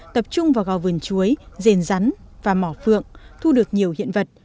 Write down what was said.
tập trung vào gò vườn chuối rền rắn và mỏ phượng thu được nhiều hiện vật